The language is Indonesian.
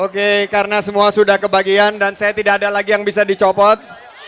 oke karena semua sudah kebagian dan saya tidak ada lagi yang bisa dicopot